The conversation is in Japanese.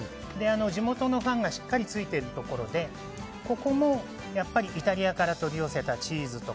地元のファンがしっかりついているところでここもイタリアから取り寄せたチーズや